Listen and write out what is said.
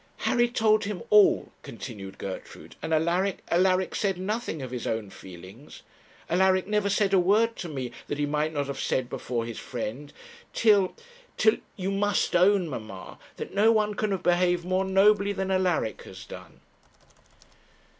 'Harry told him all,' continued Gertrude, 'and Alaric Alaric said nothing of his own feelings. Alaric never said a word to me that he might not have said before his friend till till You must own, mamma, that no one can have behaved more nobly than Alaric has done.'